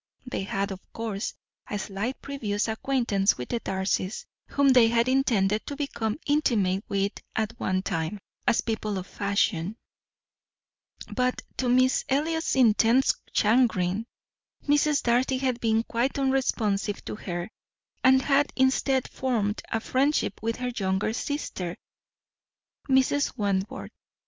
They had, of course, a slight previous acquaintance with the Darcys, whom they had intended to become intimate with at one time, as people of fashion; but to Miss Elliot's intense chagrin, Mrs. Darcy had been quite unresponsive to her, and had instead formed a friendship with her younger sister, Mrs. Wentworth.